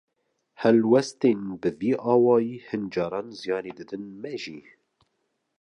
Helwestên bi vî awayî, hin caran ziyanê didin me jî.